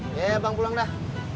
ya bang pulang dah